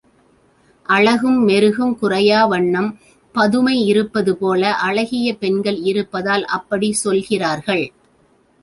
அழகும் மெருகும் குறையா வண்ணம் பதுமை இருப்பது போல, அழகிய பெண்கள் இருப்பதால் அப்படிச் சொல்கிறார்கள்.